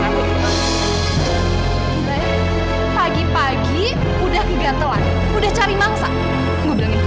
udah ya pagi pagi udah kegatelan udah cari mangsa gue bilangin papa